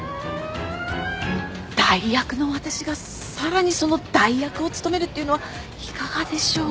代役の私がさらにその代役を務めるっていうのはいかがでしょう？